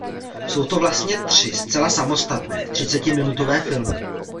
Jsou to vlastně tři zcela samostatné třicetiminutové filmy.